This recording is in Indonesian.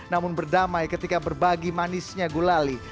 namun berdamai ketika berbagi manisnya gulali